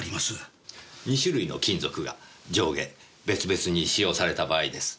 ２種類の金属が上下別々に使用された場合です。